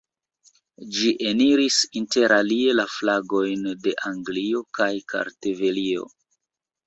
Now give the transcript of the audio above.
Ĝi eniris interalie la flagojn de Anglio kaj Kartvelio.